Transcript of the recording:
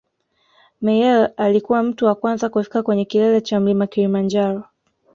Meyer alikuwa mtu wa kwanza kufika kwenye kilele cha mlima kilimanjaro